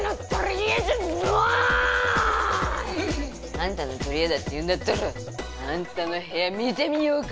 アンタのとりえだって言うんだったらアンタの部屋見てみようか？